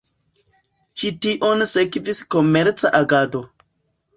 Ĉi tion sekvis komerca agado.